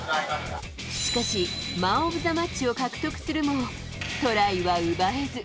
しかし、マン・オブ・ザ・マッチを獲得するも、トライは奪えず。